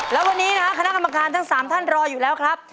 แล้ววันนี้นะฮะคณะกำลักษณ์ทั้งสามท่านรออยู่แล้วครับ